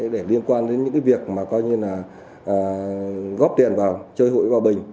để liên quan đến những việc mà coi như là góp tiền vào chơi hủy bảo bình